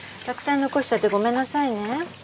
たくさん残しちゃってごめんなさいね。